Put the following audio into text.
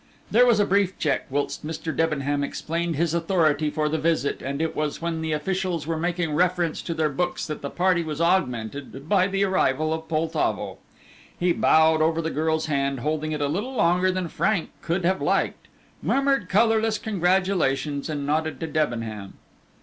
There was a brief check whilst Mr. Debenham explained his authority for the visit, and it was when the officials were making reference to their books that the party was augmented by the arrival of Poltavo. He bowed over the girl's hand, holding it a little longer than Frank could have liked, murmured colourless congratulations and nodded to Debenham.